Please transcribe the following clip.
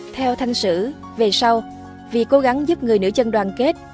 theo thanh sử về sau vì cố gắng giúp người nữ chân đoàn kết